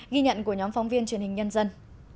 ghi nhận của nhóm phóng viên truyền hình nhân dân